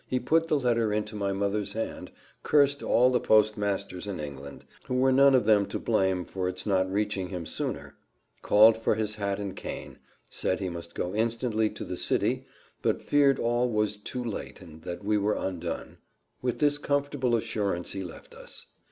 He put the letter into my mother's hand, cursed all the post masters in England, who were none of them to blame for its not reaching him sooner, called for his hat and cane, said he must go instantly to the city, but "feared all was, too late, and that we were undone." With this comfortable assurance he left us.